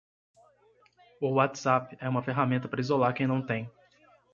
O WhatsApp é uma ferramenta para isolar quem não tem.